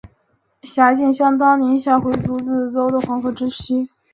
辖境相当今宁夏回族自治区青铜峡市河西地区及永宁县西南部黄河之西。